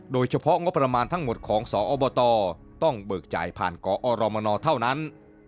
โดยเฉพาะงบประมาณทั้งหมดของสอบตต้องเบิกจ่ายผ่านกอรมนเท่านั้น